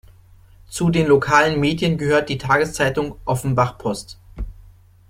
Zu den lokalen Medien gehört die Tageszeitung Offenbach-Post.